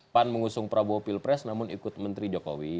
pan mengusung prabowo pilpres namun ikut menteri jokowi